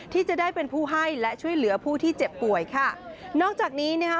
ที่จะได้เป็นผู้ให้และช่วยเหลือผู้ที่เจ็บป่วยค่ะนอกจากนี้นะคะ